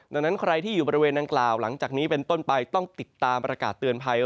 ดังนั้นใครที่อยู่บริเวณดังกล่าวหลังจากนี้เป็นต้นไปต้องติดตามประกาศเตือนภัย